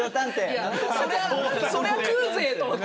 「そりゃ食うぜ！」と思って。